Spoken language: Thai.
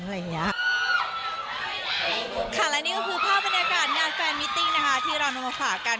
และนี่ก็คือภาพบรรยากาศงานแฟนมิติ้งนะคะที่เรานำมาฝากกัน